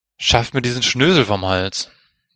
Schafft mir diesen Schnösel vom Hals.